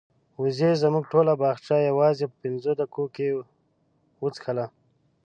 وزې زموږ ټوله باغچه یوازې په پنځو دقیقو کې وڅښله.